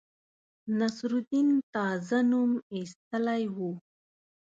نصرالدین تازه نوم ایستلی وو.